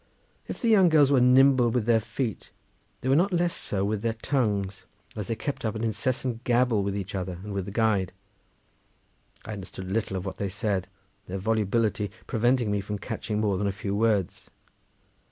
If the young girls were nimble with their feet, they were not less so with their tongues, as they kept up an incessant gabble with each other and with the guide. I understood little of what they said, their volubility preventing me from catching more than a few words.